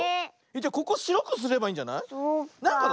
じゃここしろくすればいいんじゃない？そっかあ。